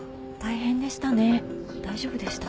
大丈夫でした？